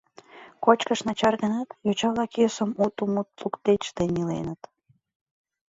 Кочкыш начар гынат, йоча-влак йӧсым уто мут лукде чытен иленыт.